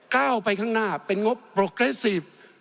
ก้าวไปข้างหน้าเป็นงบโปรเกรสซีฟ